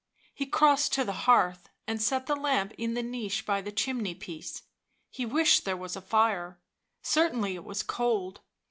He crossed to the hearth and set the lamp in the niche by the chimney piece; he wished there was a fire — certainly it was cold.